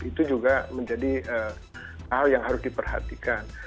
itu juga menjadi hal yang harus diperhatikan